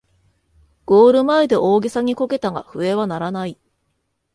ゴール前で大げさにこけたが笛は鳴らない